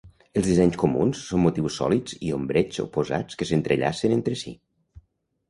Els dissenys comuns són motius sòlids i ombreigs oposats que s'entrellacen entre si.